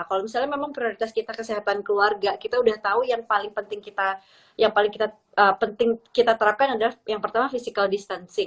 kalau misalnya memang prioritas kita kesehatan keluarga kita udah tahu yang paling penting kita yang paling penting kita terapkan adalah yang pertama physical distancing